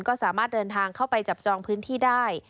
ก็สามารถเดินทางเข้าไปจับจองพื้นที่ได้